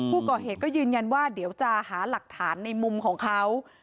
ผู้ก่อเหตุก็ยืนยันว่าเดี๋ยวจะหาหลักฐานในมุมของเขา